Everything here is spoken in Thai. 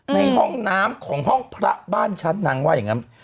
ในห้องน้ำของห้องพระบ้านฉันนางว่าอย่างนั้น